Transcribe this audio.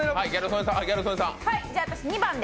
私２番で。